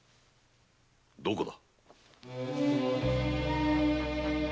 どこだ？